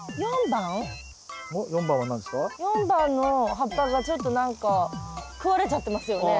４番の葉っぱがちょっと何か食われちゃってますよね。